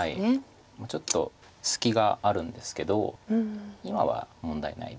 ちょっと隙があるんですけど今は問題ないです。